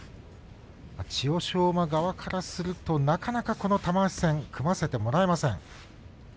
千代翔馬側からするとなかなかこの玉鷲戦組ませてもらえません。